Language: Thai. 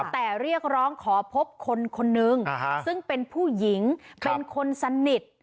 แต่เรียกร้องขอพบคนคนนึงซึ่งเป็นผู้หญิงเป็นคนสนิท